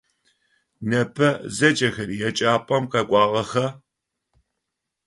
Непэ зэкӏэхэри еджапӏэм къэкӏуагъэха?